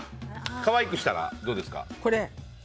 可愛くしたらどうですか？